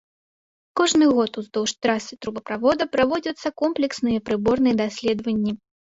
Кожны год уздоўж трасы трубаправода праводзяцца комплексныя прыборныя даследаванні.